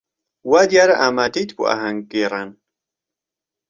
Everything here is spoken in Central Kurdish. وا دیارە ئامادەیت بۆ ئاهەنگگێڕان.